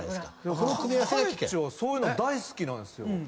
かねちはそういうの大好きなんですよ。